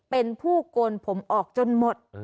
เป็นผู้โกนผมออกจนหมด